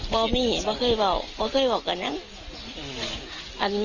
น้องเขาเคยบอกมาฟับทุกอย่างไหม